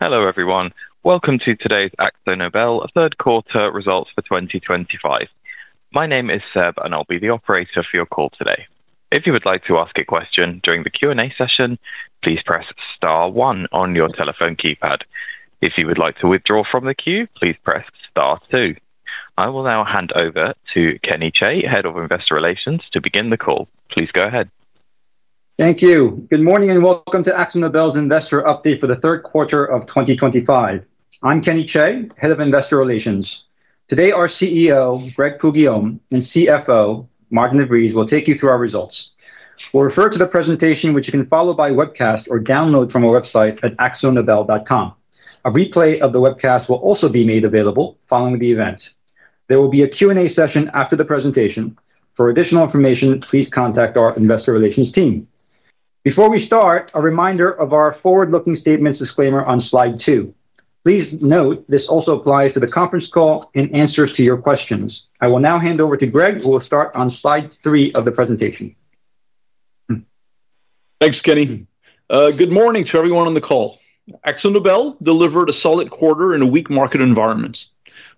Hello everyone, welcome to today's AkzoNobel Third Quarter Results for 2025. My name is Seb, and I'll be the operator for your call today. If you would like to ask a question during the Q&A session, please press star one on your telephone keypad. If you would like to withdraw from the queue, please press star two. I will now hand over to Kenny Chae, Head of Investor Relations, to begin the call. Please go ahead. Thank you. Good morning and welcome to AkzoNobel's Investor Update for the Third Quarter of 2025. I'm Kenny Chae, Head of Investor Relations. Today, our CEO, Grégoire Poux-Guillaume, and CFO, Maarten de Vries, will take you through our results. We'll refer to the presentation, which you can follow by webcast or download from our website at akzonobel.com. A replay of the webcast will also be made available following the event. There will be a Q&A session after the presentation. For additional information, please contact our Investor Relations team. Before we start, a reminder of our forward-looking statements disclaimer on slide 2. Please note this also applies to the conference call and answers to your questions. I will now hand over to Greg, who will start on slide 3 of the presentation. Thanks, Kenny. Good morning to everyone on the call. AkzoNobel delivered a solid quarter in a weak market environment.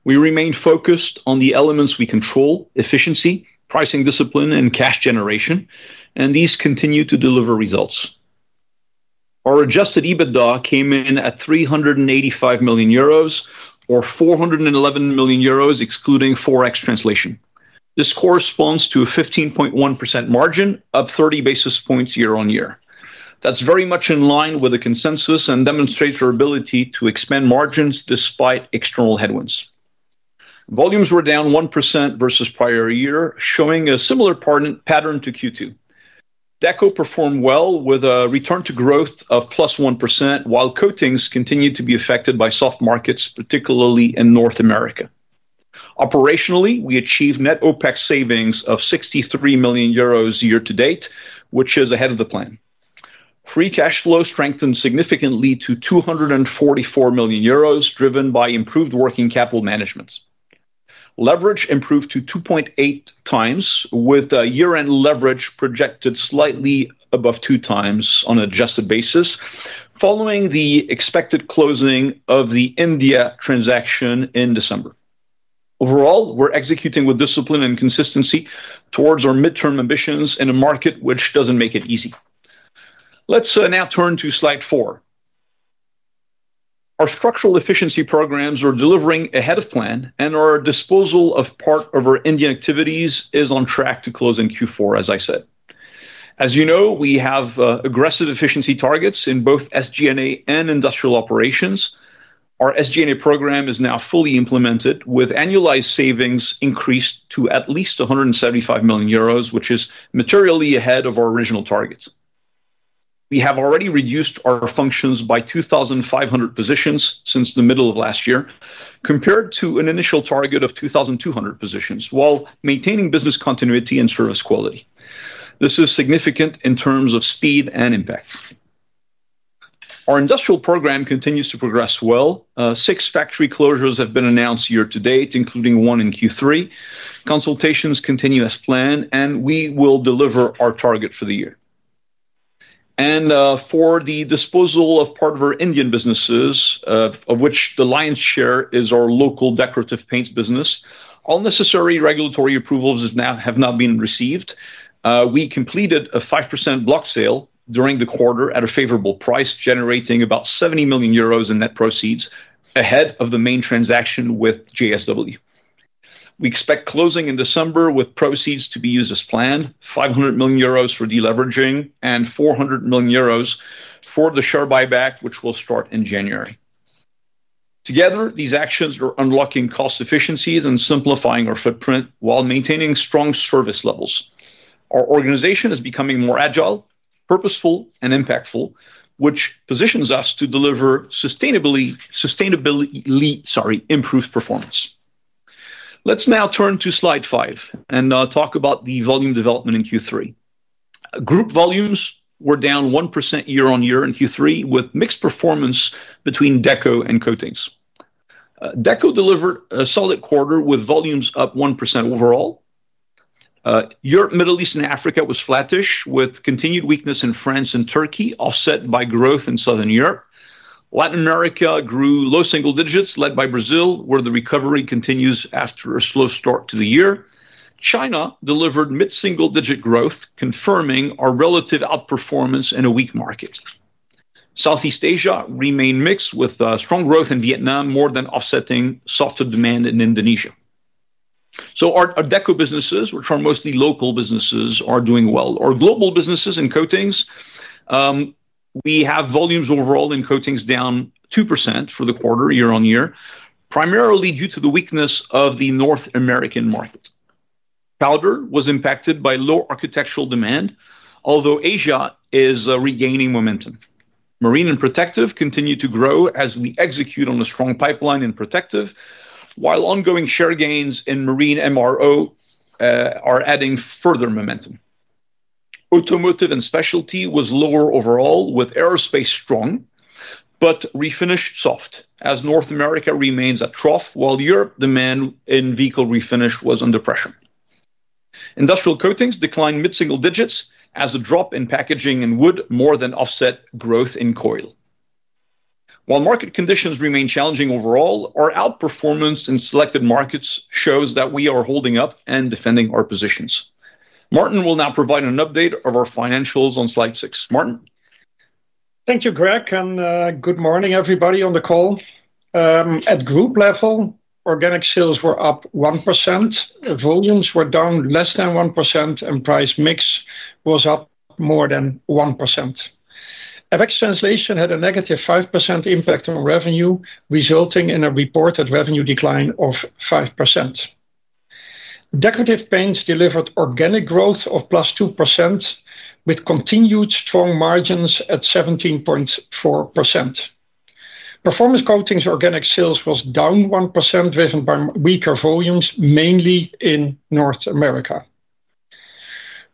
We remained focused on the elements we control: efficiency, pricing discipline, and cash generation, and these continue to deliver results. Our adjusted EBITDA came in at 385 million euros, or 411 million euros, excluding forex translation. This corresponds to a 15.1% margin, up 30 basis points year-on-year. That's very much in line with the consensus and demonstrates our ability to expand margins despite external headwinds. Volumes were down 1% versus prior year, showing a similar pattern to Q2. Deco performed well with a return to growth of +1%, while coatings continued to be affected by soft markets, particularly in North America. Operationally, we achieved net OPEX savings of 63 million euros year-to-date, which is ahead of the plan. Free cash flow strengthened significantly to 244 million euros, driven by improved working capital management. Leverage improved to 2.8x, with a year-end leverage projected slightly above 2x on an adjusted basis, following the expected closing of the India transaction in December. Overall, we're executing with discipline and consistency towards our midterm ambitions in a market which doesn't make it easy. Let's now turn to slide 4. Our structural efficiency programs are delivering ahead of plan, and our disposal of part of our Indian activities is on track to close in Q4, as I said. As you know, we have aggressive efficiency targets in both SG&A and industrial operations. Our SG&A program is now fully implemented, with annualized savings increased to at least 175 million euros, which is materially ahead of our original targets. We have already reduced our functions by 2,500 positions since the middle of last year, compared to an initial target of 2,200 positions, while maintaining business continuity and service quality. This is significant in terms of speed and impact. Our industrial program continues to progress well. Six factory closures have been announced year to date, including one in Q3. Consultations continue as planned, and we will deliver our target for the year. For the disposal of part of our Indian businesses, of which the lion's share is our local Decorative Paints business, all necessary regulatory approvals have now been received. We completed a 5% block sale during the quarter at a favorable price, generating about 70 million euros in net proceeds, ahead of the main transaction with JSW. We expect closing in December with proceeds to be used as planned: 500 million euros for deleveraging and 400 million euros for the share buyback, which will start in January. Together, these actions are unlocking cost efficiencies and simplifying our footprint while maintaining strong service levels. Our organization is becoming more agile, purposeful, and impactful, which positions us to deliver sustainably... sorry, improved performance. Let's now turn to slide 5 and talk about the volume development in Q3. Group volumes were down 1% year-on-year in Q3, with mixed performance between Deco and coatings. Deco delivered a solid quarter with volumes up 1% overall. Europe-Middle East and Africa was flattish, with continued weakness in France and Turkey, offset by growth in Southern Europe. Latin America grew low single digits, led by Brazil, where the recovery continues after a slow start to the year. China delivered mid-single-digit growth, confirming our relative outperformance in a weak market. Southeast Asia remained mixed, with strong growth in Vietnam, more than offsetting softer demand in Indonesia. Our Deco businesses, which are mostly local businesses, are doing well. Our global businesses and coatings, we have volumes overall in coatings down 2% for the quarter, year-on-year, primarily due to the weakness of the North American market. Powder was impacted by low architectural demand, although Asia is regaining momentum. Marine and protective continue to grow as we execute on a strong pipeline in protective, while ongoing share gains in marine MRO are adding further momentum. Automotive and specialty was lower overall, with aerospace strong but refinish soft, as North America remains a trough, while Europe demand in vehicle refinish was under pressure. Industrial coatings declined mid-single digits, as a drop in packaging and wood more than offset growth in coil. While market conditions remain challenging overall, our outperformance in selected markets shows that we are holding up and defending our positions. Maarten will now provide an update of our financials on slide 6. Maarten? Thank you, Greg, and good morning, everybody, on the call. At group level, organic sales were up 1%, volumes were down less than 1%, and price mix was up more than 1%. Forex translation had a -5% impact on revenue, resulting in a reported revenue decline of 5%. Decorative Paints delivered organic growth of +2%, with continued strong margins at 17.4%. Performance Coatings organic sales was down 1%, driven by weaker volumes, mainly in North America.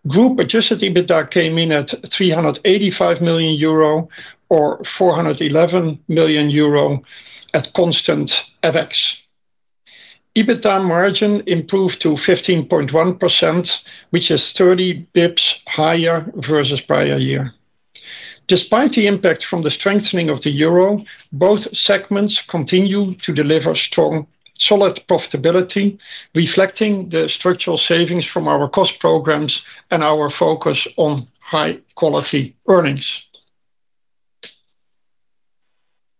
Group adjusted EBITDA came in at 385 million euro or 411 million euro at constant forex. EBITDA margin improved to 15.1%, which is 30 bps higher versus prior year. Despite the impact from the strengthening of the euro, both segments continue to deliver strong, solid profitability, reflecting the structural savings from our cost programs and our focus on high-quality earnings.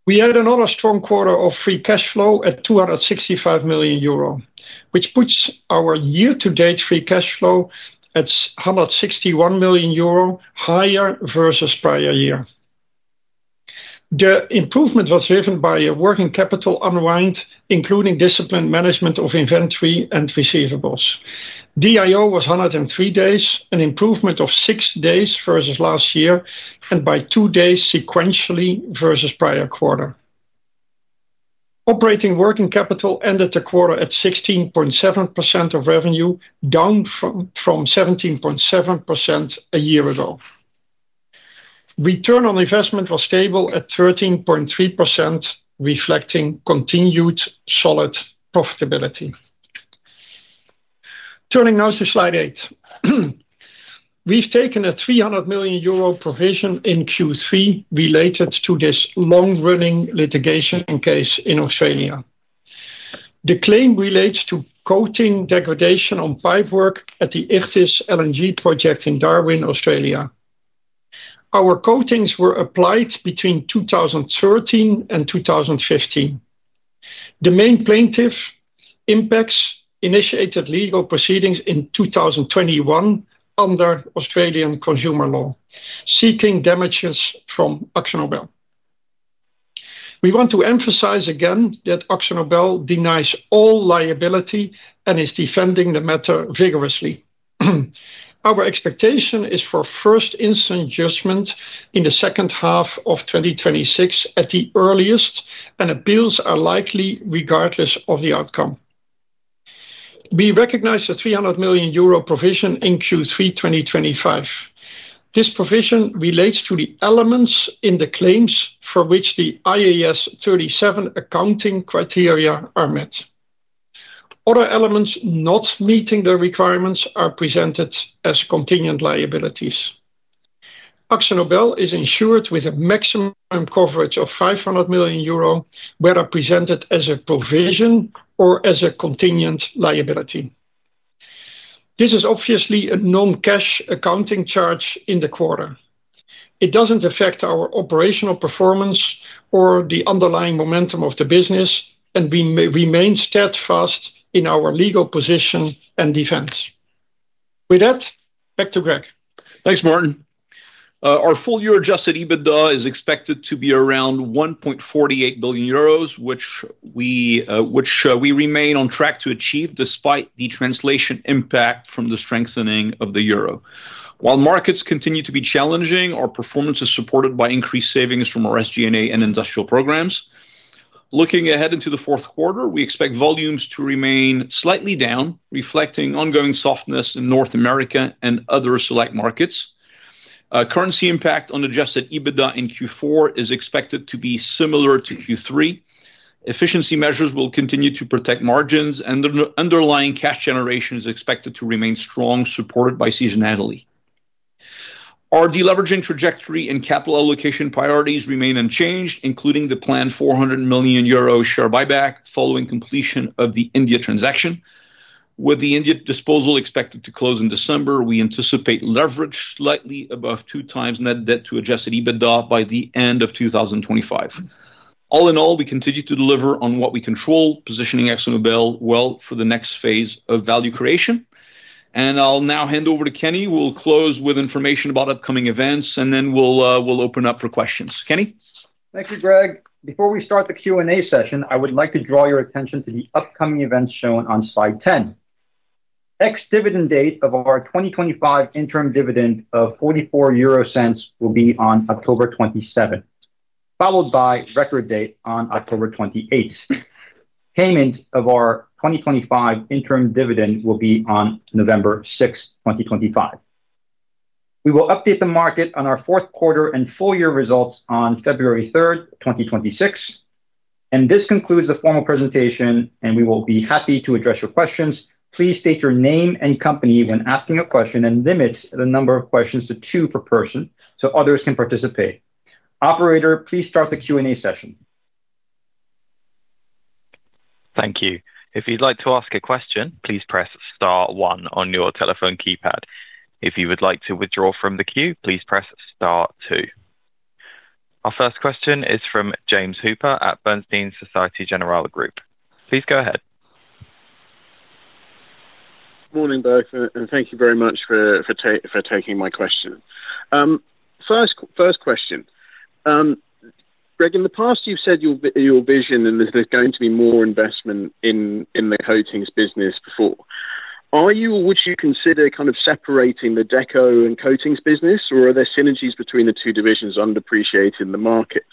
We had another strong quarter of free cash flow at 265 million euro, which puts our year-to-date free cash flow at 161 million euro, higher versus prior year. The improvement was driven by a working capital unwind, including disciplined management of inventory and receivables. DIO was 103 days, an improvement of 6 days versus last year, and by 2 days sequentially versus prior quarter. Operating working capital ended the quarter at 16.7% of revenue, down from 17.7% a year ago. Return on investment was stable at 13.3%, reflecting continued solid profitability. Turning now to slide 8. We've taken a 300 million euro provision in Q3 related to this long-running litigation case in Australia. The claim relates to coating degradation on pipework at the Ichthys LNG project in Darwin, Australia. Our coatings were applied between 2013 and 2015. The main plaintiff, IMPEX, initiated legal proceedings in 2021 under Australian consumer law, seeking damages from AkzoNobel. We want to emphasize again that AkzoNobel denies all liability and is defending the matter vigorously. Our expectation is for a first instance judgment in the second half of 2026 at the earliest, and appeals are likely regardless of the outcome. We recognize the 300 million euro provision in Q3 2025. This provision relates to the elements in the claims for which the IAS 37 accounting criteria are met. Other elements not meeting the requirements are presented as continued liabilities. AkzoNobel is insured with a maximum coverage of 500 million euro, whether presented as a provision or as a continued liability. This is obviously a non-cash accounting charge in the quarter. It doesn't affect our operational performance or the underlying momentum of the business, and we remain steadfast in our legal position and defense. With that, back to Greg. Thanks, Maarten. Our full year adjusted EBITDA is expected to be around 1.48 billion euros, which we remain on track to achieve despite the translation impact from the strengthening of the euro. While markets continue to be challenging, our performance is supported by increased savings from our SG&A and industrial programs. Looking ahead into the fourth quarter, we expect volumes to remain slightly down, reflecting ongoing softness in North America and other select markets. Currency impact on adjusted EBITDA in Q4 is expected to be similar to Q3. Efficiency measures will continue to protect margins, and the underlying cash generation is expected to remain strong, supported by seasonality. Our deleveraging trajectory and capital allocation priorities remain unchanged, including the planned 400 million euro share buyback following completion of the India transaction. With the India disposal expected to close in December, we anticipate leverage slightly above 2x net debt to adjusted EBITDA by the end of 2025. All in all, we continue to deliver on what we control, positioning AkzoNobel well for the next phase of value creation. I'll now hand over to Kenny. We'll close with information about upcoming events, and then we'll open up for questions. Kenny? Thank you, Greg. Before we start the Q&A session, I would like to draw your attention to the upcoming events shown on slide 10. Ex-dividend date of our 2025 interim dividend of 44 euro will be on October 27, followed by record date on October 28. Payment of our 2025 interim dividend will be on November 6, 2025. We will update the market on our fourth quarter and full-year results on February 3, 2026. This concludes the formal presentation, and we will be happy to address your questions. Please state your name and company when asking a question and limit the number of questions to two per person so others can participate. Operator, please start the Q&A session. Thank you. If you'd like to ask a question, please press star one on your telephone keypad. If you would like to withdraw from the queue, please press star two. Our first question is from James Hooper at Bernstein Société Générale Group. Please go ahead. Morning, both, and thank you very much for taking my question. First question, Greg, in the past, you've said your vision is there's going to be more investment in the coatings business before. Are you or would you consider kind of separating the Deco and coatings business, or are there synergies between the two divisions underappreciated in the markets?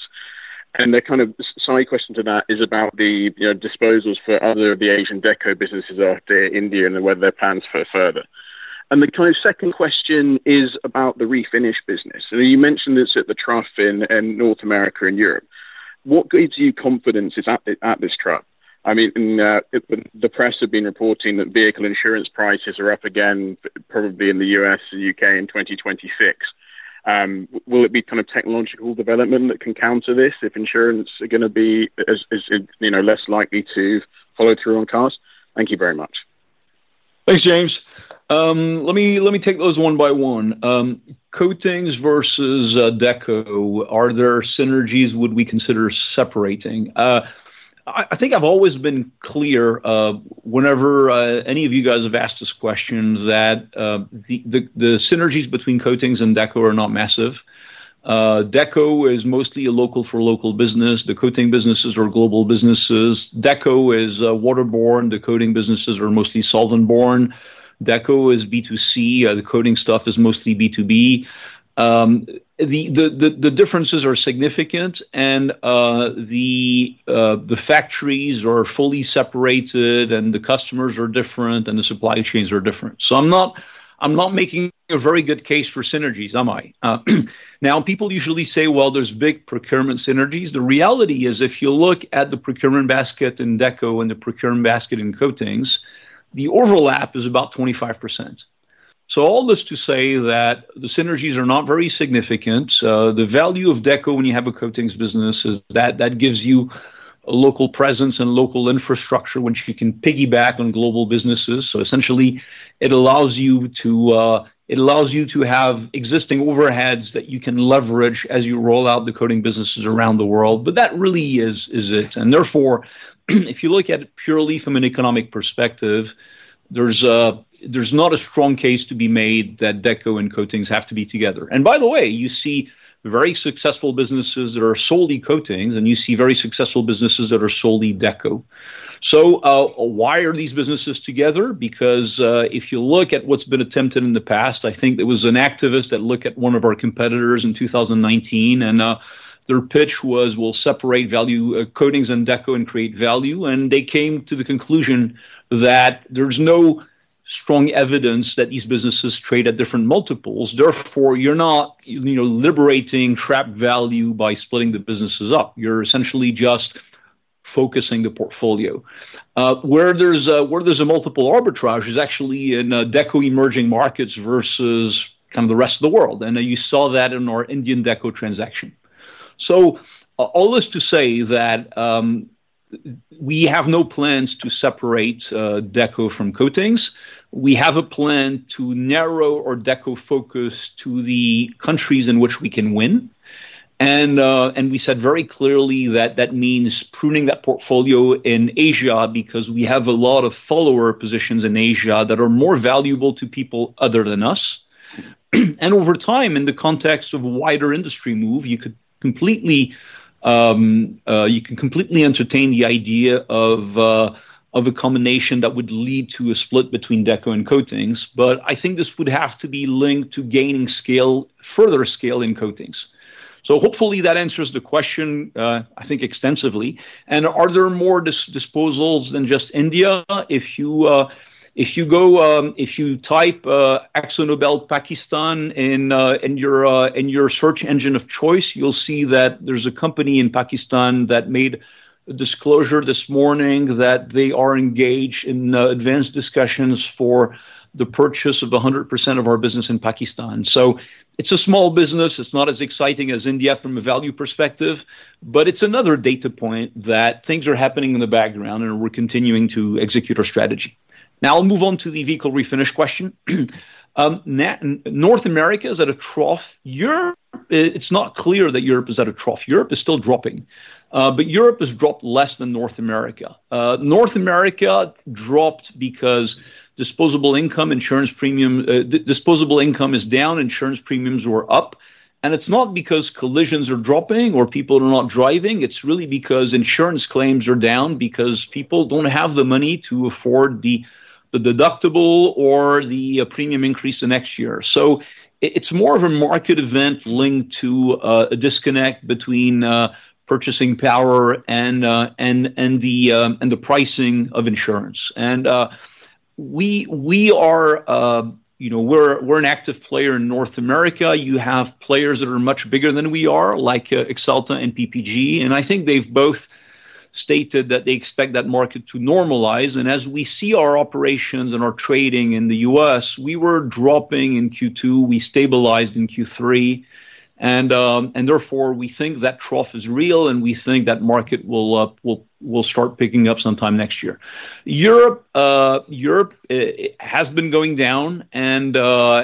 The kind of side question to that is about the disposals for other of the Asian Deco businesses after India and whether there are plans for further. The kind of second question is about the refinish business. You mentioned it's at the trough in North America and Europe. What gives you confidence at this trough? I mean, the press have been reporting that vehicle insurance prices are up again, probably in the U.S. and U.K. in 2026. Will it be kind of technological development that can counter this if insurance is going to be less likely to follow through on cost? Thank you very much. Thanks, James. Let me take those one by one. Coatings versus Deco, are there synergies we would consider separating? I think I've always been clear whenever any of you guys have asked this question that the synergies between coatings and Deco are not massive. Deco is mostly a local-for-local business. The coating businesses are global businesses. Deco is waterborne. The coating businesses are mostly solvent-borne. Deco is B2C. The coating stuff is mostly B2B. The differences are significant, and the factories are fully separated, and the customers are different, and the supply chains are different. I'm not making a very good case for synergies, am I? People usually say there's big procurement synergies. The reality is, if you look at the procurement basket in Deco and the procurement basket in coatings, the overlap is about 25%. All this to say that the synergies are not very significant. The value of Deco when you have a coatings business is that that gives you a local presence and local infrastructure which you can piggyback on global businesses. Essentially, it allows you to have existing overheads that you can leverage as you roll out the coating businesses around the world. That really is it. Therefore, if you look at it purely from an economic perspective, there's not a strong case to be made that Deco and coatings have to be together. By the way, you see very successful businesses that are solely coatings, and you see very successful businesses that are solely Deco. Why are these businesses together? If you look at what's been attempted in the past, I think there was an activist that looked at one of our competitors in 2019, and their pitch was, we'll separate coatings and Deco and create value. They came to the conclusion that there's no strong evidence that these businesses trade at different multiples. Therefore, you're not liberating trap value by splitting the businesses up. You're essentially just focusing the portfolio. Where there's a multiple arbitrage is actually in Deco emerging markets versus kind of the rest of the world. You saw that in our Indian Deco transaction. All this to say that we have no plans to separate Deco from coatings. We have a plan to narrow our Deco focus to the countries in which we can win. We said very clearly that that means pruning that portfolio in Asia because we have a lot of follower positions in Asia that are more valuable to people other than us. Over time, in the context of a wider industry move, you can completely entertain the idea of a combination that would lead to a split between Deco and coatings. I think this would have to be linked to gaining further scale in coatings. Hopefully, that answers the question, I think, extensively. Are there more disposals than just India? If you type AkzoNobel Pakistan in your search engine of choice, you'll see that there's a company in Pakistan that made a disclosure this morning that they are engaged in advanced discussions for the purchase of 100% of our business in Pakistan. It's a small business. It's not as exciting as India from a value perspective, but it's another data point that things are happening in the background, and we're continuing to execute our strategy. Now I'll move on to the vehicle refinish question. North America is at a trough. It's not clear that Europe is at a trough. Europe is still dropping, but Europe has dropped less than North America. North America dropped because disposable income is down. Insurance premiums were up. It's not because collisions are dropping or people are not driving. It's really because insurance claims are down because people don't have the money to afford the deductible or the premium increase in next year. It's more of a market event linked to a disconnect between purchasing power and the pricing of insurance. We're an active player in North America. You have players that are much bigger than we are, like Axalta and PPG. I think they've both stated that they expect that market to normalize. As we see our operations and our trading in the U.S., we were dropping in Q2. We stabilized in Q3. Therefore, we think that trough is real, and we think that market will start picking up sometime next year. Europe has been going down. Once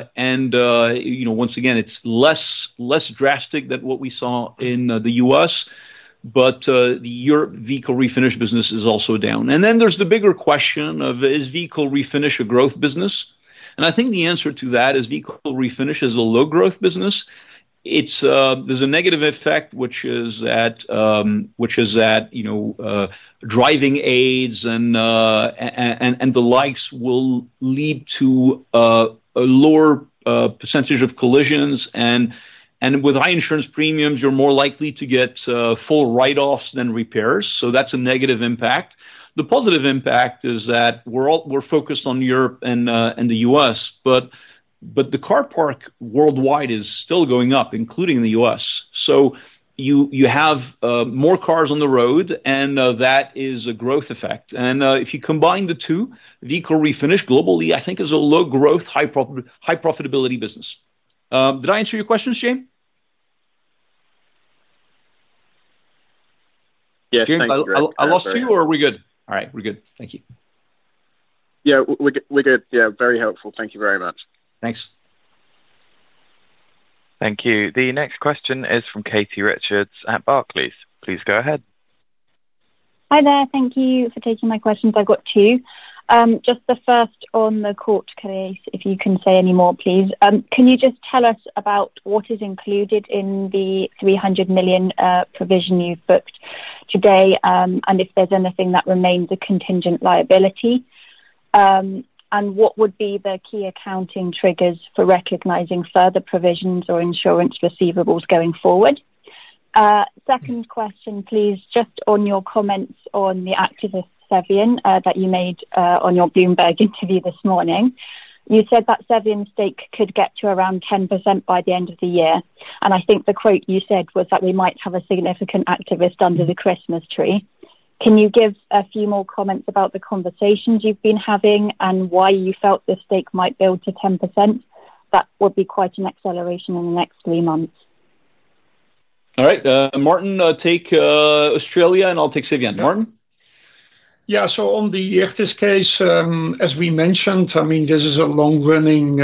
again, it's less drastic than what we saw in the U.S., but the Europe vehicle refinish business is also down. Then there's the bigger question of, is vehicle refinish a growth business? I think the answer to that is vehicle refinish is a low-growth business. There's a negative effect, which is that driving aids and the likes will lead to a lower percentage of collisions. With high insurance premiums, you're more likely to get full write-offs than repairs. That's a negative impact. The positive impact is that we're focused on Europe and the U.S., but the car park worldwide is still going up, including the U.S. You have more cars on the road, and that is a growth effect. If you combine the two, vehicle refinish globally, I think, is a low-growth, high-profitability business. Did I answer your questions, James? Yes, James. I lost you, or are we good? All right, we're good. Thank you. Yeah, we're good. Yeah, very helpful. Thank you very much. Thanks. Thank you. The next question is from Katie Richards at Barclays. Please go ahead. Hi there. Thank you for taking my questions. I've got two. Just the first on the court case, if you can say any more, please. Can you just tell us about what is included in the 300 million provision you've booked today, and if there's anything that remains a contingent liability? What would be the key accounting triggers for recognizing further provisions or insurance receivables going forward? Second question, please, just on your comments on the activist Cevian that you made on your Bloomberg interview this morning. You said that Cevian's stake could get to around 10% by the end of the year. I think the quote you said was that we might have a significant activist under the Christmas tree. Can you give a few more comments about the conversations you've been having and why you felt the stake might build to 10%? That would be quite an acceleration in the next three months. All right. Maarten, take Australia, and I'll take Cevian. Maarten? Yeah, on the Ichthys LNG case, as we mentioned, this is a long-running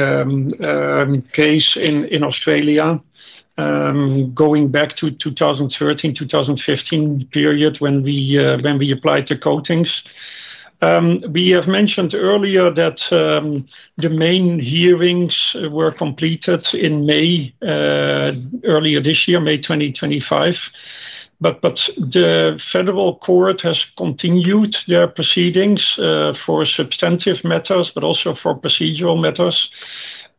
case in Australia, going back to the 2013-2015 period when we applied the coatings. We have mentioned earlier that the main hearings were completed in May earlier this year, May 2025. The federal court has continued their proceedings for substantive matters, as well as for procedural matters.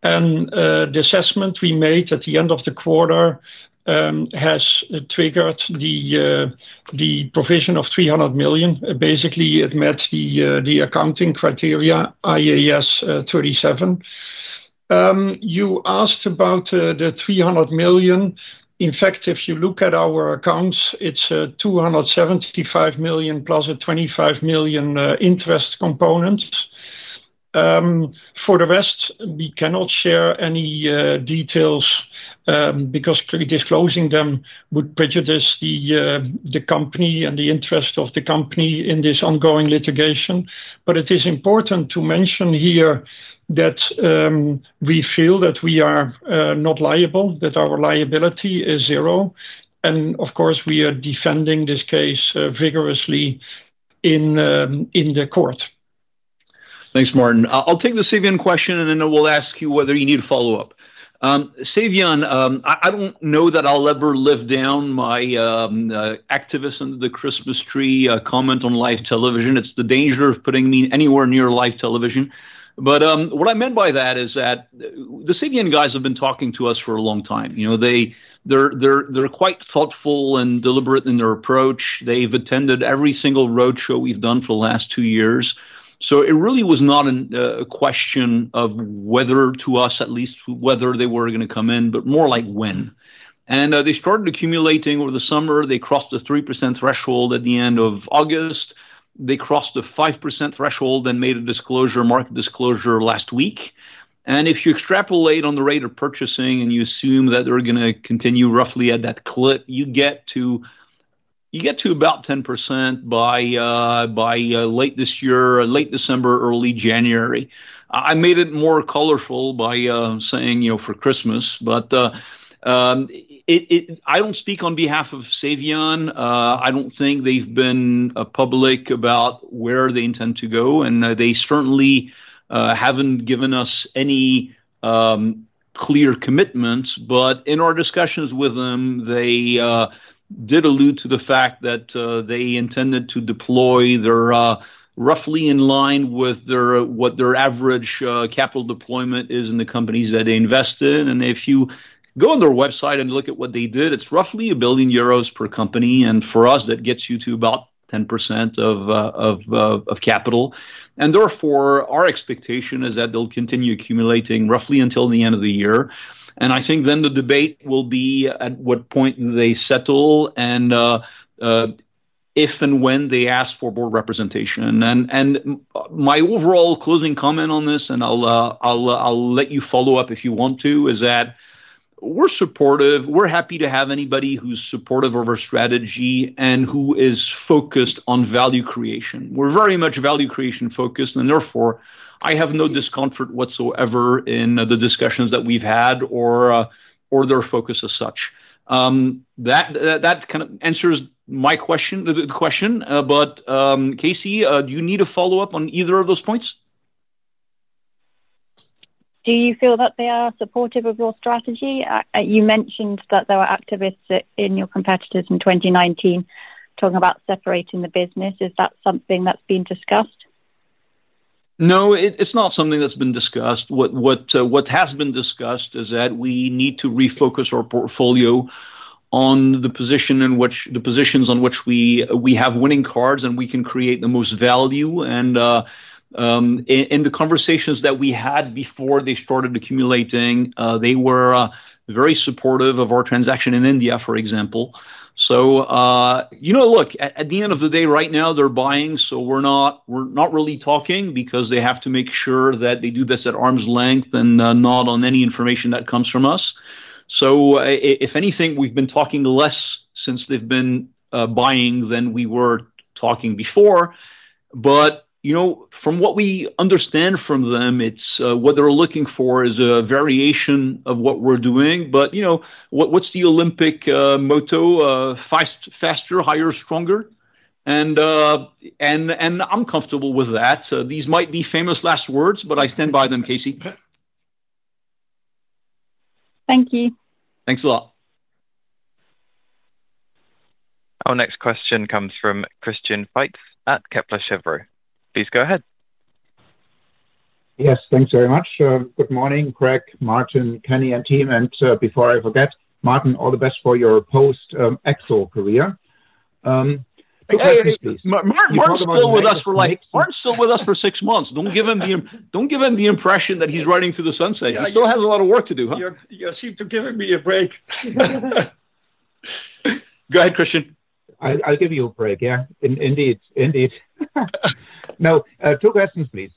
The assessment we made at the end of the quarter has triggered the provision of 300 million. Basically, it met the accounting criteria, IAS 37. You asked about the 300 million. In fact, if you look at our accounts, it's 275 million plus a 25 million interest component. For the rest, we cannot share any details because pre-disclosing them would prejudice the company and the interest of the company in this ongoing litigation. It is important to mention here that we feel that we are not liable, that our liability is zero. Of course, we are defending this case vigorously in the court. Thanks, Maarten. I'll take the Cevian question, and then we'll ask you whether you need a follow-up. Cevian, I don't know that I'll ever live down my activist under the Christmas tree comment on live television. It's the danger of putting me anywhere near live television. What I meant by that is that the Cevian guys have been talking to us for a long time. They're quite thoughtful and deliberate in their approach. They've attended every single roadshow we've done for the last two years. It really was not a question of whether, to us at least, whether they were going to come in, but more like when. They started accumulating over the summer. They crossed the 3% threshold at the end of August. They crossed the 5% threshold and made a market disclosure last week. If you extrapolate on the rate of purchasing and you assume that they're going to continue roughly at that clip, you get to about 10% by late this year, late December, early January. I made it more colorful by saying for Christmas. I don't speak on behalf of Cevian. I don't think they've been public about where they intend to go. They certainly haven't given us any clear commitments. In our discussions with them, they did allude to the fact that they intended to deploy. They're roughly in line with what their average capital deployment is in the companies that they invest in. If you go on their website and look at what they did, it's roughly 1 billion euros per company. For us, that gets you to about 10% of capital. Therefore, our expectation is that they'll continue accumulating roughly until the end of the year. I think then the debate will be at what point do they settle and if and when they ask for board representation. My overall closing comment on this, and I'll let you follow up if you want to, is that we're supportive. We're happy to have anybody who's supportive of our strategy and who is focused on value creation. We're very much value creation focused. Therefore, I have no discomfort whatsoever in the discussions that we've had or their focus as such. That kind of answers my question, the question. Katie, do you need a follow-up on either of those points? Do you feel that they are supportive of your strategy? You mentioned that there were activists in your competitors in 2019 talking about separating the business. Is that something that's been discussed? No, it's not something that's been discussed. What has been discussed is that we need to refocus our portfolio on the positions on which we have winning cards and we can create the most value. In the conversations that we had before they started accumulating, they were very supportive of our transaction in India, for example. At the end of the day, right now, they're buying. We're not really talking because they have to make sure that they do this at arm's length and not on any information that comes from us. If anything, we've been talking less since they've been buying than we were talking before. From what we understand from them, what they're looking for is a variation of what we're doing. What's the Olympic motto? Faster, higher, stronger. I'm comfortable with that. These might be famous last words, but I stand by them, Casey. Thank you. Thanks a lot. Our next question comes from Christian Faitz at Kepler Cheuvreux. Please go ahead. Yes, thanks very much. Good morning, Greg, Maarten, Kenny, and team. Before I forget, Maarten, all the best for your post-Akzo career. Maarten's still with us for like six months. Don't give him the impression that he's riding through the sunset; he still has a lot of work to do. You seem to be giving me a break. Go ahead, Christian. I'll give you a break, yeah. Indeed. Now, two questions, please.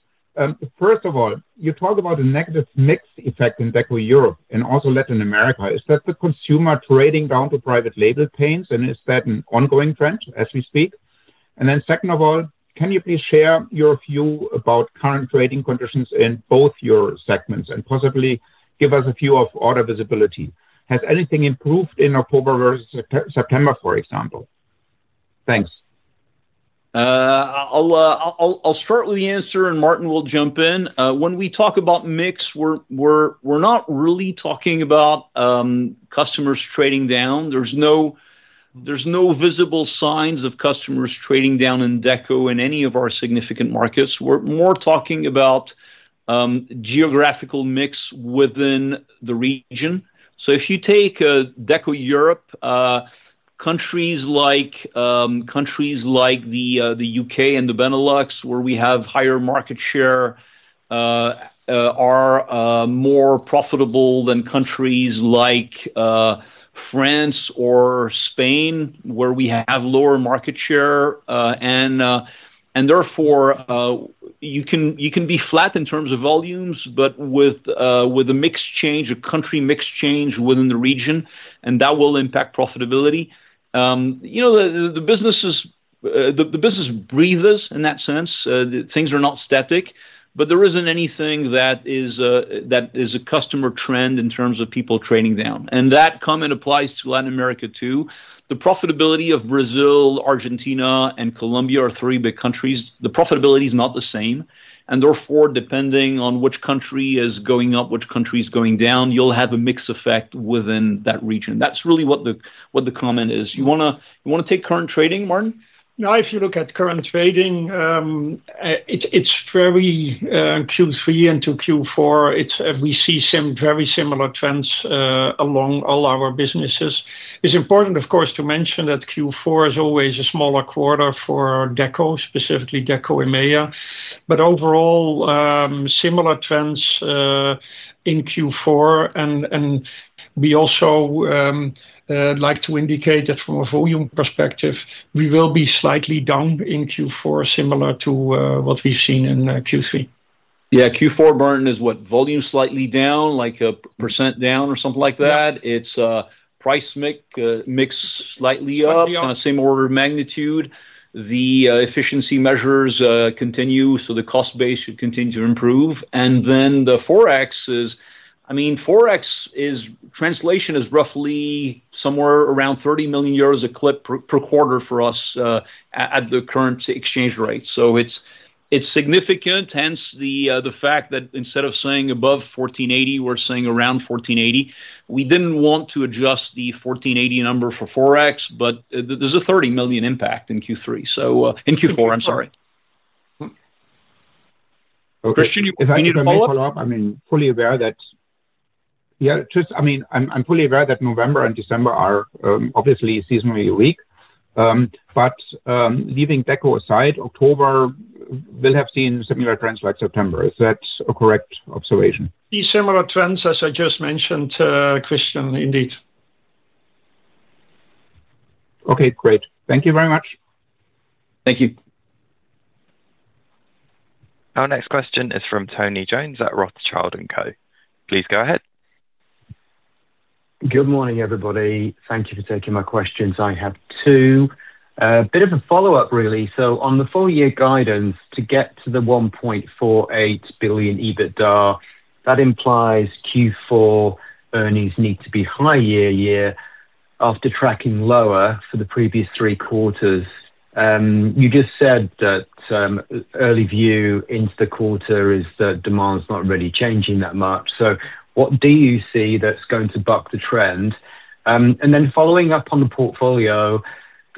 First of all, you talk about a negative mix effect in Deco Europe and also Latin America. Is that the consumer trading down to private label paints? Is that an ongoing trend as we speak? Second of all, can you please share your view about current trading conditions in both your segments and possibly give us a view of order visibility? Has anything improved in October versus September, for example? Thanks. I'll start with the answer, and Maarten will jump in. When we talk about mix, we're not really talking about customers trading down. There's no visible signs of customers trading down in Deco in any of our significant markets. We're more talking about geographical mix within the region. If you take Deco Europe, countries like the U.K. and the Benelux, where we have higher market share, are more profitable than countries like France or Spain, where we have lower market share. Therefore, you can be flat in terms of volumes, but with a mix change, a country mix change within the region, and that will impact profitability. The business breathes in that sense. Things are not static, but there isn't anything that is a customer trend in terms of people trading down. That comment applies to Latin America, too. The profitability of Brazil, Argentina, and Colombia are three big countries. The profitability is not the same. Therefore, depending on which country is going up, which country is going down, you'll have a mix effect within that region. That's really what the comment is. You want to take current trading, Maarten? Now, if you look at current trading, it's very Q3 into Q4. We see some very similar trends along all our businesses. It's important, of course, to mention that Q4 is always a smaller quarter for Deco, specifically Deco and Maya. Overall, similar trends in Q4. We also like to indicate that from a volume perspective, we will be slightly down in Q4, similar to what we've seen in Q3. Q4 burden is what? Volume slightly down, like 1% down or something like that. It's a price mix slightly up, kind of same order of magnitude. The efficiency measures continue, so the cost base should continue to improve. The forex is, I mean, forex translation is roughly somewhere around 30 million euros per quarter for us at the current exchange rate. It's significant, hence the fact that instead of saying around 1,480, we're saying around 1,480. We didn't want to adjust the 1,480 number for forex, but there's a 30 million impact in Q3, in Q4, I'm sorry. Christian, if I may follow up, I mean, I'm fully aware that November and December are obviously seasonally weak. Leaving Decorative Paints aside, October will have seen similar trends like September. Is that a correct observation? Similar trends, as I just mentioned, Christian, indeed. Okay, great. Thank you very much. Thank you. Our next question is from Tony Jones at Rothschild & Co. Please go ahead. Good morning, everybody. Thank you for taking my questions. I have two. A bit of a follow-up, really. On the four-year guidance to get to the 1.48 billion EBITDA, that implies Q4 earnings need to be high year-over-year after tracking lower for the previous three quarters. You just said that early view into the quarter is that demand's not really changing that much. What do you see that's going to buck the trend? Following up on the portfolio,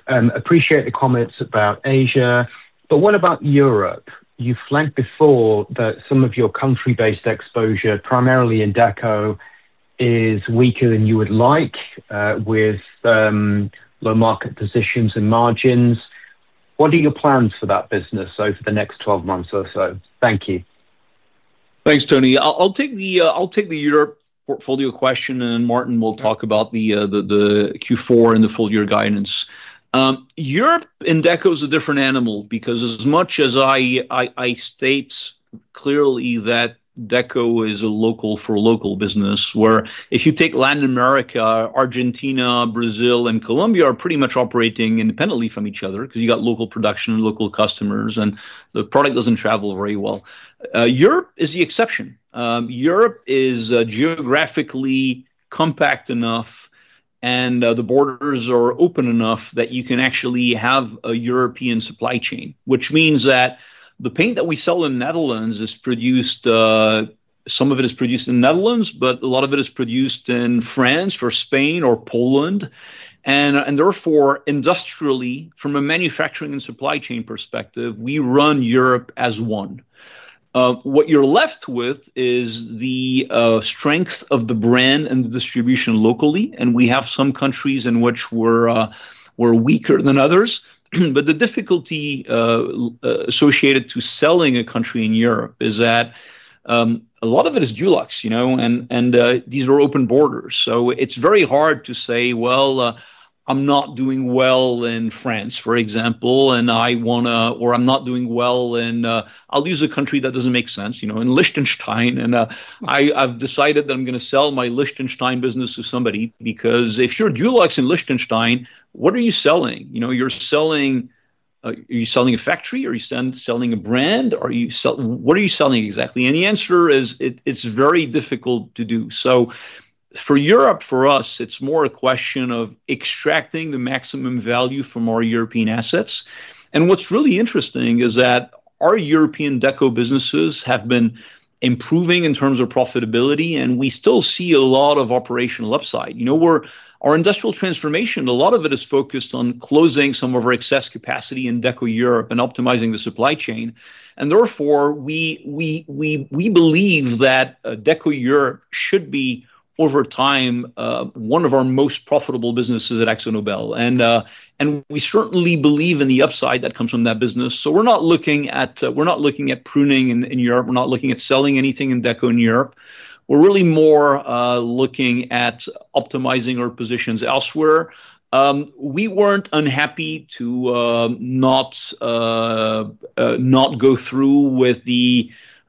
I appreciate the comments about Asia, but what about Europe? You flagged before that some of your country-based exposure, primarily in Deco, is weaker than you would like with low market positions and margins. What are your plans for that business over the next 12 months or so? Thank you. Thanks, Tony. I'll take the Europe portfolio question, and then Maarten will talk about the Q4 and the full-year guidance. Europe in Deco is a different animal because as much as I state clearly that Deco is a local-for-local business, where if you take Latin America, Argentina, Brazil, and Colombia are pretty much operating independently from each other because you've got local production and local customers, and the product doesn't travel very well. Europe is the exception. Europe is geographically compact enough, and the borders are open enough that you can actually have a European supply chain, which means that the paint that we sell in the Netherlands is produced, some of it is produced in the Netherlands, but a lot of it is produced in France or Spain or Poland. Therefore, industrially, from a manufacturing and supply chain perspective, we run Europe as one. What you're left with is the strength of the brand and the distribution locally. We have some countries in which we're weaker than others. The difficulty associated to selling a country in Europe is that a lot of it is dual acts, you know, and these are open borders. It's very hard to say, I'm not doing well in France, for example, and I want to, or I'm not doing well in, I'll use a country that doesn't make sense, you know, in Liechtenstein. I've decided that I'm going to sell my Liechtenstein business to somebody because if you're dual acts in Liechtenstein, what are you selling? You know, are you selling a factory? Are you selling a brand? Are you selling, what are you selling exactly? The answer is it's very difficult to do. For Europe, for us, it's more a question of extracting the maximum value from our European assets. What's really interesting is that our European Deco businesses have been improving in terms of profitability, and we still see a lot of operational upside. Our industrial transformation, a lot of it is focused on closing some of our excess capacity in Deco Europe and optimizing the supply chain. Therefore, we believe that Deco Europe should be, over time, one of our most profitable businesses at AkzoNobel. We certainly believe in the upside that comes from that business. We're not looking at pruning in Europe. We're not looking at selling anything in Deco in Europe. We're really more looking at optimizing our positions elsewhere. We weren't unhappy to not go through with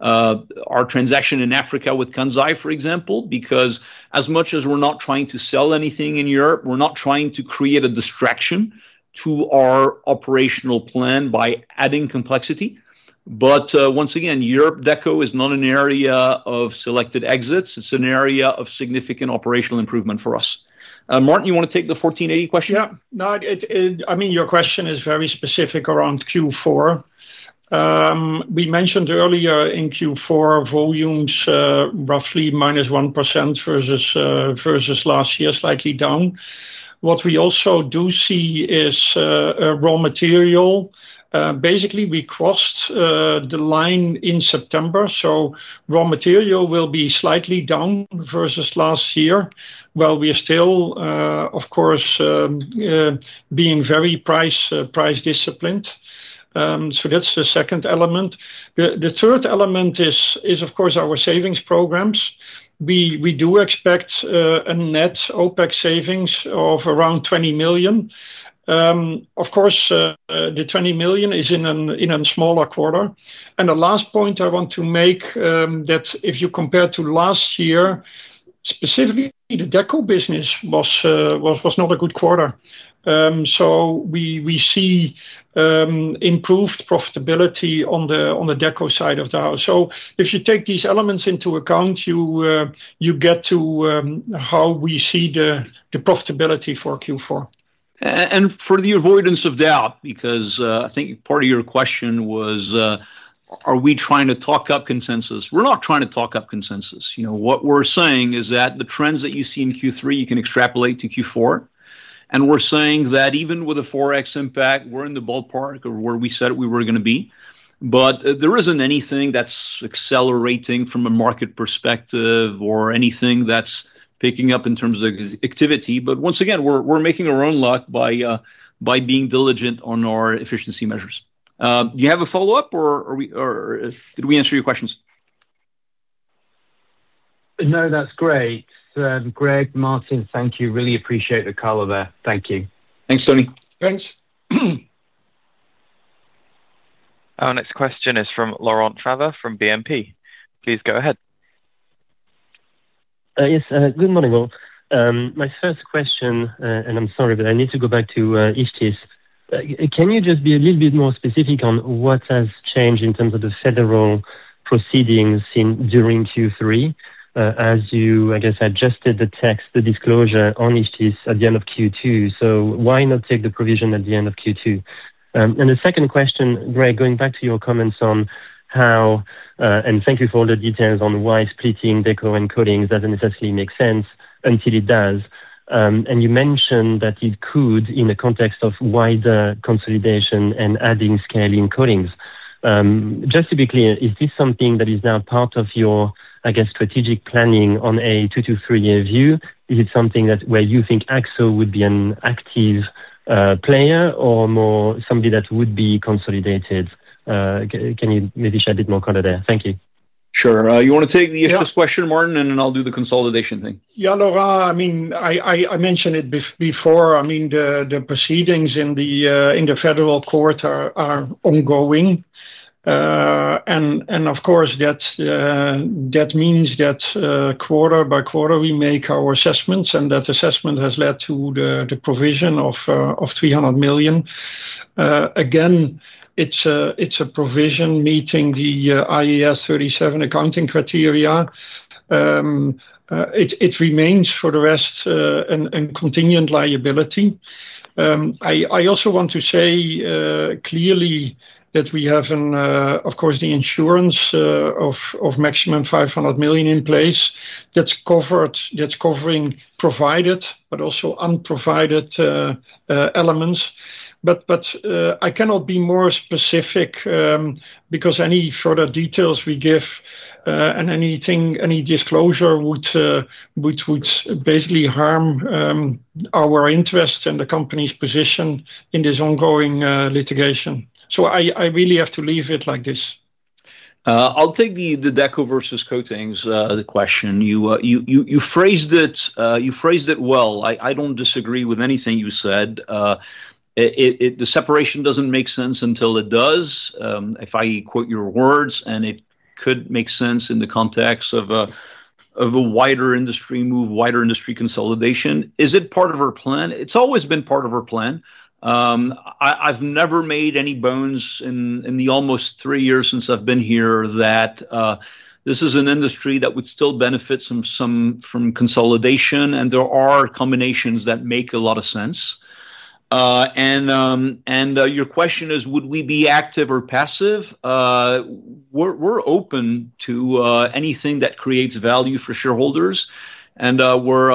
our transaction in Africa with Kansai, for example, because as much as we're not trying to sell anything in Europe, we're not trying to create a distraction to our operational plan by adding complexity. Once again, Europe Deco is not an area of selected exits. It's an area of significant operational improvement for us. Maarten, you want to take the €1,480 question? Yeah. No, I mean, your question is very specific around Q4. We mentioned earlier in Q4 volumes roughly -1% versus last year, slightly down. What we also do see is raw material. Basically, we crossed the line in September. Raw material will be slightly down versus last year. Of course, we're still being very price disciplined. That's the second element. The third element is, of course, our savings programs. We do expect a net OpEx savings of around 20 million. Of course, the 20 million is in a smaller quarter. The last point I want to make is that if you compare to last year, specifically, the Deco business was not a good quarter. We see improved profitability on the Deco side of the house. If you take these elements into account, you get to how we see the profitability for Q4. For the avoidance of doubt, because I think part of your question was, are we trying to talk up consensus? We're not trying to talk up consensus. What we're saying is that the trends that you see in Q3, you can extrapolate to Q4. We're saying that even with a forex impact, we're in the ballpark of where we said we were going to be. There isn't anything that's accelerating from a market perspective or anything that's picking up in terms of activity. Once again, we're making our own luck by being diligent on our efficiency measures. Do you have a follow-up, or did we answer your questions? No, that's great. Grégoire, Maarten, thank you. Really appreciate the cover there. Thank you. Thanks, Tony. Thanks. Our next question is from Laurent Favre from BNP Paribas. Please go ahead. Yes, good morning, all. My first question, and I'm sorry, but I need to go back to Ichthys. Can you just be a little bit more specific on what has changed in terms of the federal proceedings seen during Q3 as you, I guess, adjusted the tax, the disclosure on Ichthys at the end of Q2? Why not take the provision at the end of Q2? The second question, Greg, going back to your comments on how, and thank you for all the details on why splitting Deco and coatings doesn't necessarily make sense until it does. You mentioned that it could in the context of wider consolidation and adding scale in coatings. Just to be clear, is this something that is now part of your, I guess, strategic planning on a two to three-year view? Is it something where you think AkzoNobel would be an active player or more somebody that would be consolidated? Can you maybe share a bit more color there? Thank you. Sure. You want to take the Ichthys question, Maarten, and then I'll do the consolidation thing. Yeah, Laurent, I mentioned it before. The proceedings in the federal court are ongoing. Of course, that means that quarter by quarter, we make our assessments, and that assessment has led to the provision of 300 million. Again, it's a provision meeting the IAS 37 accounting criteria. It remains for the rest a contingent liability. I also want to say clearly that we have, of course, the insurance of maximum 500 million in place that's covering provided, but also unprovided elements. I cannot be more specific because any further details we give and any disclosure would basically harm our interests and the company's position in this ongoing litigation. I really have to leave it like this. I'll take the Deco versus coatings question. You phrased it well. I don't disagree with anything you said. The separation doesn't make sense until it does, if I quote your words, and it could make sense in the context of a wider industry move, wider industry consolidation. Is it part of our plan? It's always been part of our plan. I've never made any bones in the almost three years since I've been here that this is an industry that would still benefit from consolidation, and there are combinations that make a lot of sense. Your question is, would we be active or passive? We're open to anything that creates value for shareholders. We're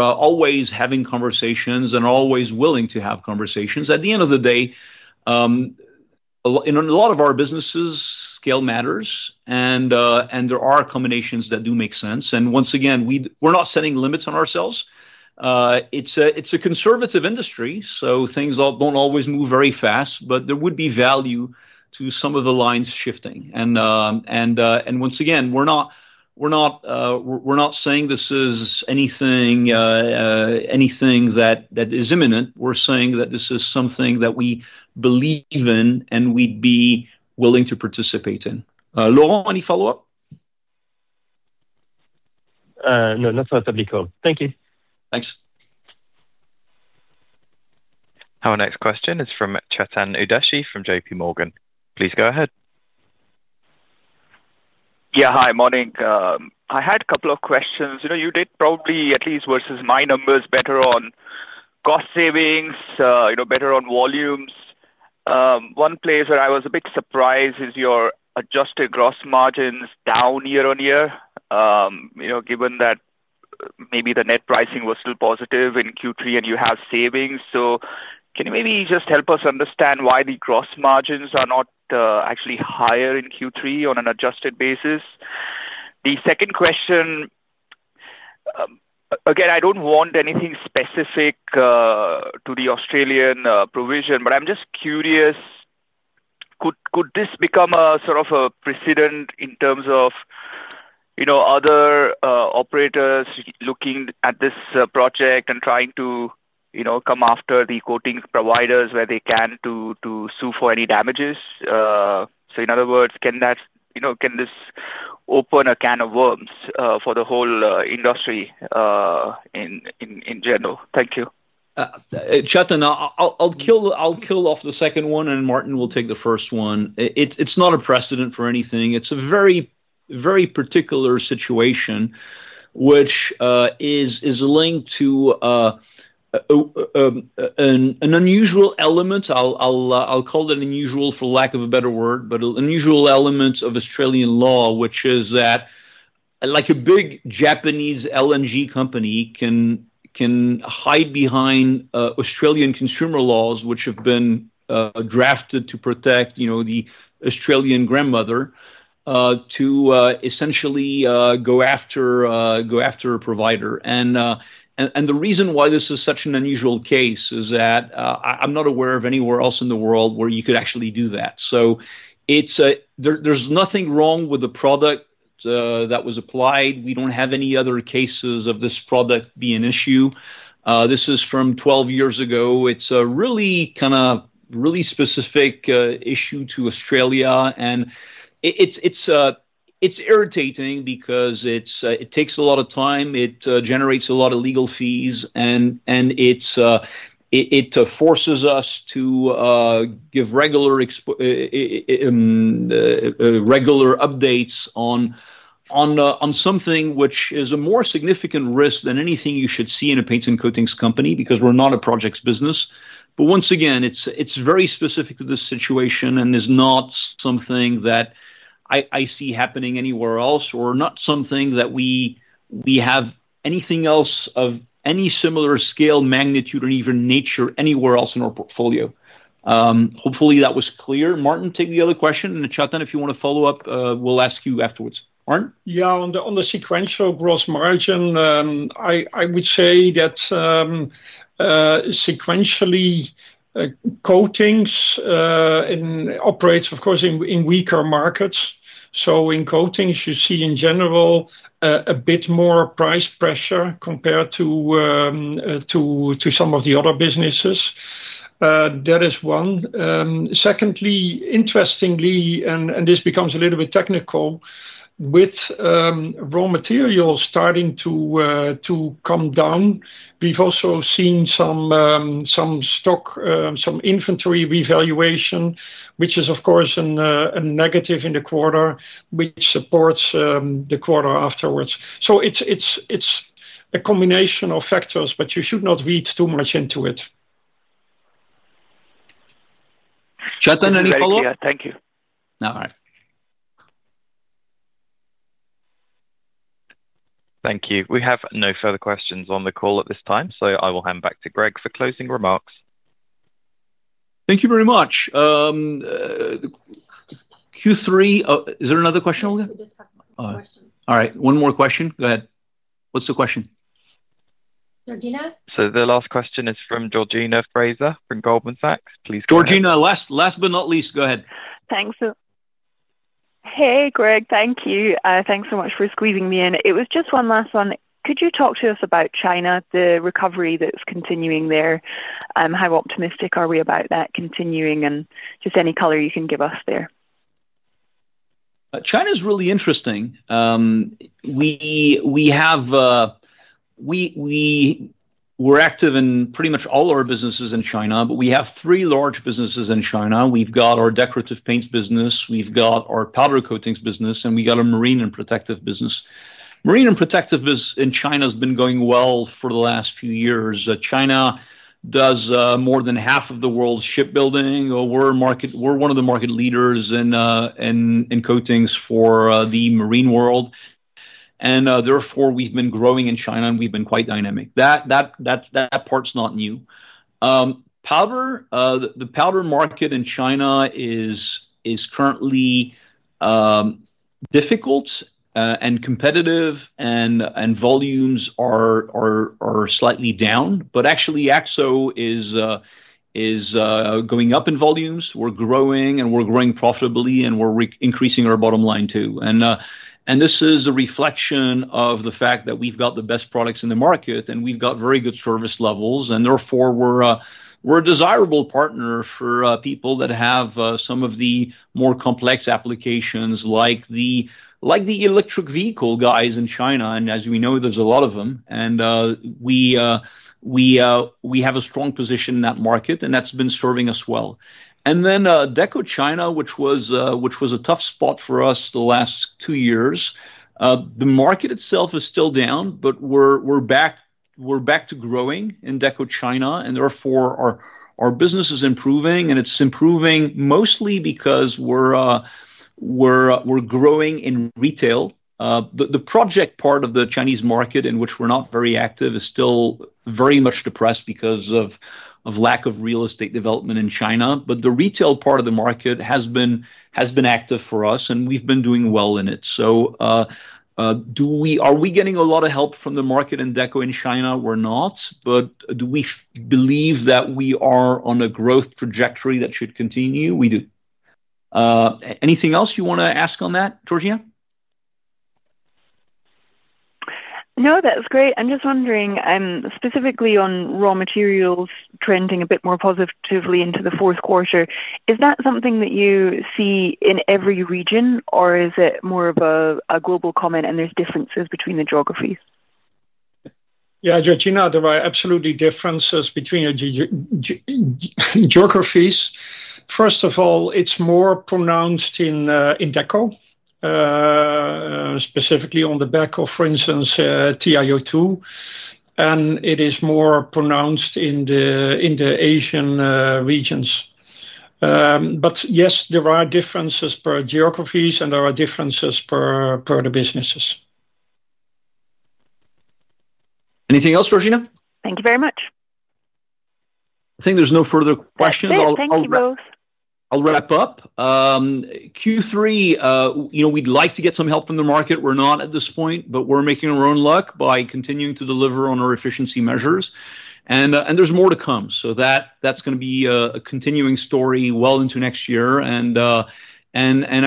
always having conversations and are always willing to have conversations. At the end of the day, in a lot of our businesses, scale matters, and there are combinations that do make sense. Once again, we're not setting limits on ourselves. It's a conservative industry, so things don't always move very fast, but there would be value to some of the lines shifting. Once again, we're not saying this is anything that is imminent. We're saying that this is something that we believe in and we'd be willing to participate in. Laurent, any follow-up? No, not that I recall. Thank you. Thanks. Our next question is from Chetan Udeshi from JPMorgan. Please go ahead. Yeah, hi, Maarten. I had a couple of questions. You did probably at least versus my numbers better on cost savings, better on volumes. One place where I was a bit surprised is your adjusted gross margins down year on year, given that maybe the net pricing was still positive in Q3 and you have savings. Can you maybe just help us understand why the gross margins are not actually higher in Q3 on an adjusted basis? The second question, I don't want anything specific to the Australian provision, but I'm just curious, could this become a sort of a precedent in terms of other operators looking at this project and trying to come after the coating providers where they can to sue for any damages? In other words, can this open a can of worms for the whole industry in general? Thank you. Chetan, I'll kill off the second one, and Maarten will take the first one. It's not a precedent for anything. It's a very, very particular situation, which is linked to an unusual element. I'll call it unusual for lack of a better word, but an unusual element of Australian law, which is that like a big Japanese LNG company can hide behind Australian consumer laws, which have been drafted to protect, you know, the Australian grandmother, to essentially go after a provider. The reason why this is such an unusual case is that I'm not aware of anywhere else in the world where you could actually do that. There's nothing wrong with the product that was applied. We don't have any other cases of this product being an issue. This is from 12 years ago. It's a really kind of really specific issue to Australia. It's irritating because it takes a lot of time. It generates a lot of legal fees. It forces us to give regular updates on something which is a more significant risk than anything you should see in a paint and coatings company because we're not a projects business. Once again, it's very specific to this situation and is not something that I see happening anywhere else or not something that we have anything else of any similar scale, magnitude, or even nature anywhere else in our portfolio. Hopefully, that was clear. Maarten, take the other question. Chetan, if you want to follow up, we'll ask you afterwards. Maarten? Yeah, on the sequential gross margin, I would say that sequentially coatings operates, of course, in weaker markets. In coatings, you see in general a bit more price pressure compared to some of the other businesses. That is one. Secondly, interestingly, and this becomes a little bit technical, with raw materials starting to come down, we've also seen some stock, some inventory revaluation, which is, of course, a negative in the quarter, which supports the quarter afterwards. It's a combination of factors, but you should not read too much into it. Chetan, any follow-up? Thank you. All right. Thank you. We have no further questions on the call at this time, so I will hand back to Grégoire for closing remarks. Thank you very much. Q3, is there another question over there? We just have one more question. All right. One more question. Go ahead. What's the question? Georgina. The last question is from Georgina Fraser from Goldman Sachs. Please go ahead. Georgina, last but not least, go ahead. Thanks. Hey, Grégoire. Thank you. Thanks so much for squeezing me in. It was just one last one. Could you talk to us about China, the recovery that's continuing there? How optimistic are we about that continuing? Any color you can give us there. China is really interesting. We're active in pretty much all our businesses in China, but we have three large businesses in China. We've got our Decorative Paints business, we've got our Powder Coatings business, and we've got a Marine and Protective business. The Marine and Protective business in China has been going well for the last few years. China does more than half of the world's shipbuilding. We're one of the market leaders in coatings for the marine world, and we've been growing in China, and we've been quite dynamic. That part's not new. The powder market in China is currently difficult and competitive, and volumes are slightly down. Actually, AkzoNobel is going up in volumes. We're growing, and we're growing profitably, and we're increasing our bottom line, too. This is a reflection of the fact that we've got the best products in the market, and we've got very good service levels. Therefore, we're a desirable partner for people that have some of the more complex applications, like the electric vehicle guys in China. As we know, there's a lot of them. We have a strong position in that market, and that's been serving us well. Deco China, which was a tough spot for us the last two years, the market itself is still down, but we're back to growing in Deco China. Our business is improving, and it's improving mostly because we're growing in retail. The project part of the Chinese market in which we're not very active is still very much depressed because of lack of real estate development in China. The retail part of the market has been active for us, and we've been doing well in it. Are we getting a lot of help from the market in Deco in China? We're not. Do we believe that we are on a growth trajectory that should continue? We do. Anything else you want to ask on that, Georgina? No, that's great. I'm just wondering, specifically on raw materials trending a bit more positively into the fourth quarter, is that something that you see in every region, or is it more of a global comment and there's differences between the geographies? Yeah, Georgina, there are absolutely differences between geographies. First of all, it's more pronounced in Deco, specifically on the back of, for instance, TiO2. It is more pronounced in the Asian regions. Yes, there are differences per geographies, and there are differences per the businesses. Anything else, Georgina? Thank you very much. I think there's no further questions. Thank you both. I'll wrap up. Q3, you know, we'd like to get some help from the market. We're not at this point, but we're making our own luck by continuing to deliver on our efficiency measures, and there's more to come. That's going to be a continuing story well into next year, and I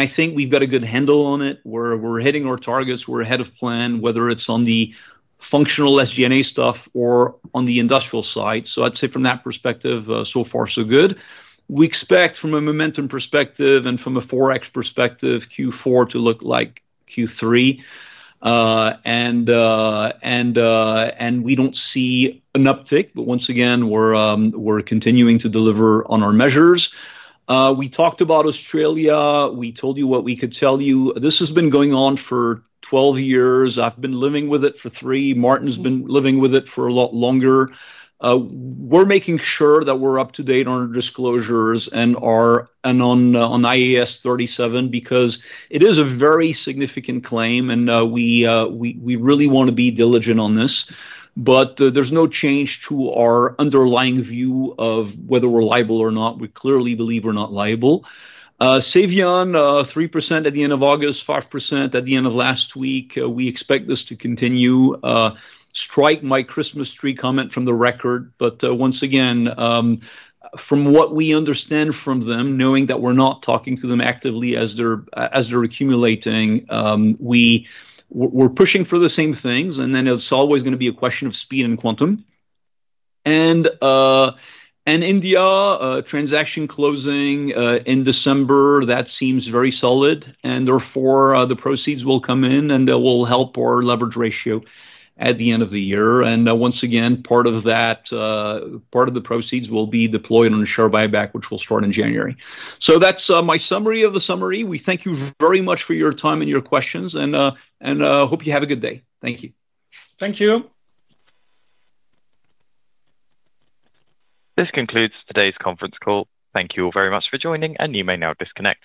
think we've got a good handle on it. We're hitting our targets. We're ahead of plan, whether it's on the functional SG&A stuff or on the industrial side. I'd say from that perspective, so far, so good. We expect from a momentum perspective and from a forex perspective, Q4 to look like Q3. We don't see an uptick, but once again, we're continuing to deliver on our measures. We talked about Australia. We told you what we could tell you. This has been going on for 12 years. I've been living with it for three. Maarten's been living with it for a lot longer. We're making sure that we're up to date on our disclosures and on IAS 37 because it is a very significant claim, and we really want to be diligent on this. There's no change to our underlying view of whether we're liable or not. We clearly believe we're not liable. Cevian, 3% at the end of August, 5% at the end of last week. We expect this to continue. Strike my Christmas tree comment from the record. Once again, from what we understand from them, knowing that we're not talking to them actively as they're accumulating, we're pushing for the same things. It's always going to be a question of speed and quantum. India, transaction closing in December, that seems very solid. Therefore, the proceeds will come in and will help our leverage ratio at the end of the year. Once again, part of the proceeds will be deployed on a share buyback, which will start in January. That's my summary of the summary. We thank you very much for your time and your questions, and I hope you have a good day. Thank you. Thank you. This concludes today's conference call. Thank you all very much for joining, and you may now disconnect.